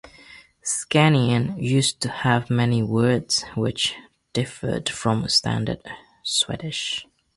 Scanian used to have many words which differed from standard Swedish.